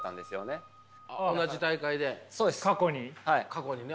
過去にね。